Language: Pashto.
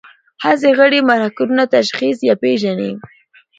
حسي غړي محرکونه تشخیص یا پېژني.